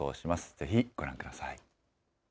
ぜひご覧ください。